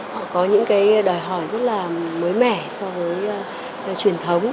họ có những cái đòi hỏi rất là mới mẻ so với truyền thống